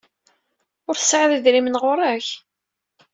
Ur tesɛiḍ idrimen ɣur-k?